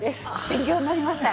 勉強になりました。